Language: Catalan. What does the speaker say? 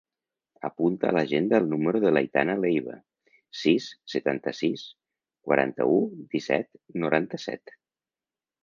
Apunta a l'agenda el número de l'Aitana Leiva: sis, setanta-sis, quaranta-u, disset, noranta-set.